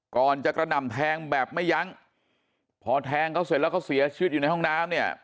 ก่อนจะกระหน่ำแทงแบบไม่ยั้งพอแทงเขาเสร็จแล้วเขาเสียชีวิตอยู่ในห้องน้ำเนี่ย